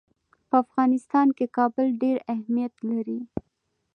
په افغانستان کې کابل ډېر اهمیت لري.